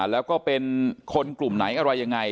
แล้วก็เป็นคนกลุ่มไหนอะไรยังไง